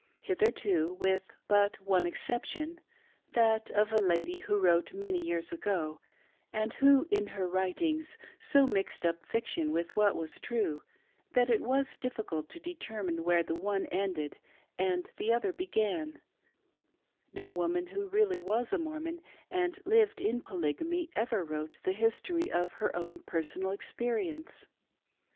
Hitherto, with but one exception* — that of a lady who wrote very many years ago, and who in her writings, so mixed up fiction with what was true, that it was difficult to determine where the one ended and the other began — no woman who really was a Mormon and lived in Polygamy ever wrote the history of her own personal experience.